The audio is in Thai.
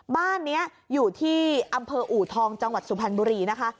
บ้านนี้อยู่ที่อำเภออูทองจังหวัดสุพรรณบุรีนะคะ